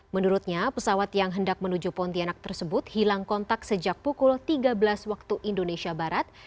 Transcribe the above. menurutnya pesawat yang hendak menuju pontianak tersebut hilang kontak sejak pukul tiga belas waktu indonesia barat